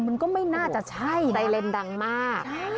มันก็ไม่น่าจะใช่นะไรน่ะดังมาก